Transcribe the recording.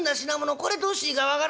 これどうしていいか分からねえ」。